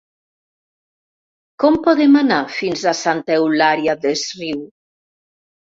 Com podem anar fins a Santa Eulària des Riu?